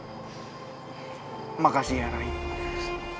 aku selalu memikirkan keluarga kita